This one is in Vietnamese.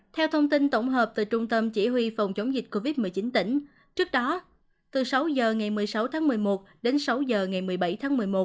theo thông tin tổng hợp từ trung tâm chỉ huy phòng chống dịch covid một mươi chín tỉnh trước đó từ sáu h ngày một mươi sáu tháng một mươi một đến sáu h ngày một mươi bảy tháng một mươi một